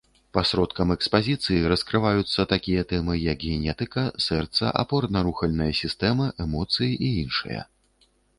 Пасродкам экспазіцыі раскрываюцца такія тэмы, як генетыка, сэрца, апорна-рухальная сістэма, эмоцыі і іншыя.